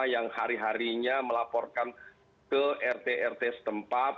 yang hari harinya melaporkan ke rt rt setempat